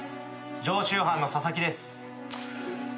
常習犯の佐々木です。